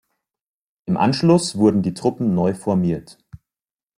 Im Anschluss wurden die Truppen neu formiert.